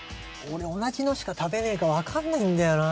同じのしか食べねえから分かんないんだよな。